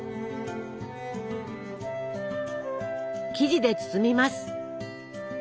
生地で包みます。